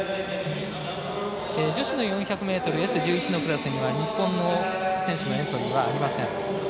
女子の４００ｍＳ１１のクラスは日本の選手のエントリーはありません。